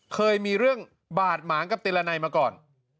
เคยมีเรื่องบาดหมางกับติรนัยมาก่อน